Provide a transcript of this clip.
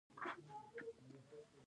په استعاره کښي د متکلم اصلي غرض تشبېه يي.